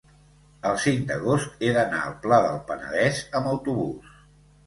el cinc d'agost he d'anar al Pla del Penedès amb autobús.